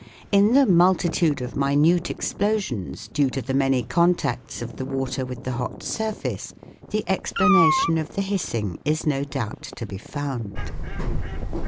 In the multitude of minute explosions due to the many contacts of the water with the hot surface the explanation of the hissing is no doubt to be found.